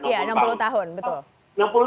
iya enam puluh tahun betul